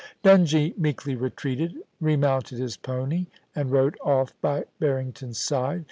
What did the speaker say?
Dungie meekly retreated, remounted his pony, and rode off by Barrington's side.